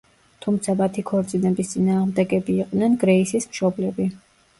თუმცა მათი ქორწინების წინააღმდეგები იყვნენ გრეისის მშობლები.